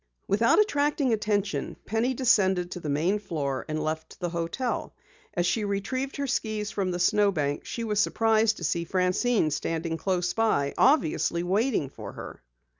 Without attracting attention, Penny descended to the main floor and left the hotel. As she retrieved her skis from the snowbank she was surprised to see Francine standing close by, obviously waiting for her.